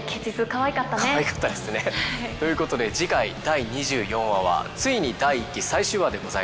かわいかったですね。ということで次回第２４話はついに第１期最終話でございます。